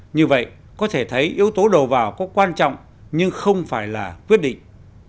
như vậy có thể thấy yếu tố đầu vào có quan trọng nhưng không phải là quyết định